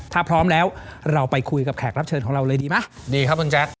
ถ้าพร้อมแล้วเราไปคุยกับแขกรับเชิญของเราเลยดีไหมดีครับคุณแจ๊ค